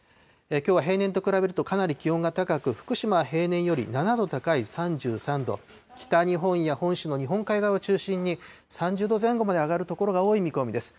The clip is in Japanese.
きょうは平年と比べると、かなり気温が高く、福島は平年より７度高い３３度、北日本や本州の日本海側を中心に、３０度前後まで上がる所が多い見込みです。